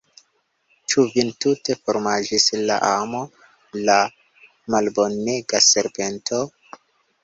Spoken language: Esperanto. Ĉu vin tute formanĝis la amo, la malbonega serpento?